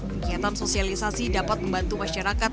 kegiatan sosialisasi dapat membantu masyarakat